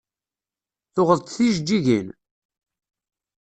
Tuɣeḍ-d tijeǧǧigin?